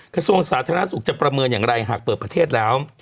กระทรวงสาธารณสุขจะประเมินอย่างไรหากเปิดประเทศแล้ว